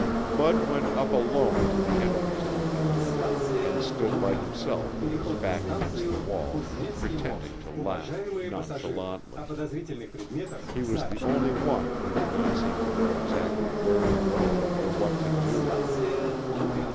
Bud went up alone to the entrance to the building and stood by himself with his back against the wall pretending to lounge nonchalantly. He was the only one who did not seem to know exactly where to go or what to do.